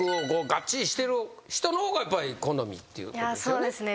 そうですね。